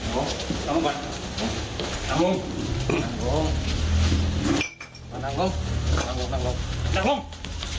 กลับอาหารประกอบอาหารกลับด้วย